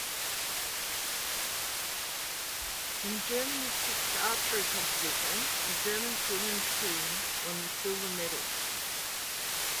In Germany's sixth archery competition, the German women's team won the silver medal.